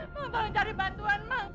bang bang cari bantuan